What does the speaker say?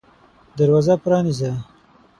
دروازه پرانیزه !